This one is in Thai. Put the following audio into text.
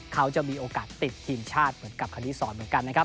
เขาจะมีโอกาสติดทีมชาติเหมือนกับคณิตศรเหมือนกันนะครับ